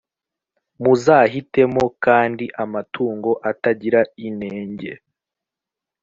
muzahitemo kandi amatungo atagira inenge.